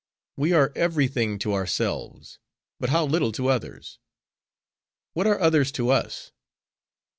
We are every thing to ourselves, but how little to others. What are others to us?